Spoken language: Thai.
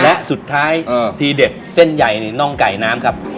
และสุดท้ายทีเด็ดเส้นใหญ่นี่น่องไก่น้ำครับ